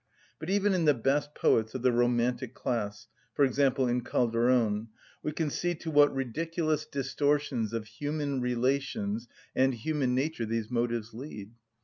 But even in the best poets of the romantic class, e.g., in Calderon, we can see to what ridiculous distortions of human relations and human nature these motives lead.